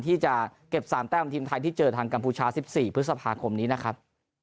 ที่จะเก็บ๓แต้มทีมไทยที่เจอทางกัมพูชา๑๔พฤษภาคมนี้นะครับ